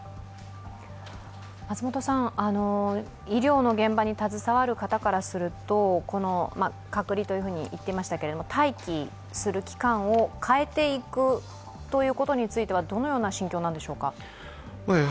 医療の現場に携わる方からすると隔離というふうに言っていましたけど待機する期間を変えていくということについてはどのような心境なんでしょうか？